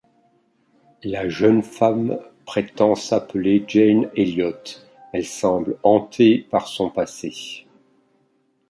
La jeune femme prétend s'appeler Jane Eliott, elle semble hantée par son passé.